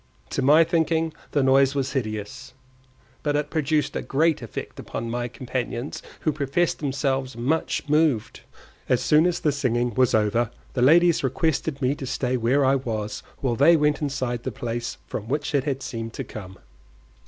To my thinking the noise was hideous, but it produced a great effect upon my companions, who professed themselves much moved. As soon as the singing was over, the ladies requested me to stay where I was while they went inside the place from which it had seemed to come.